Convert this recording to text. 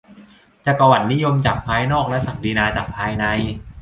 จักรวรรดินิยมจากภายนอกและศักดินาจากภายใน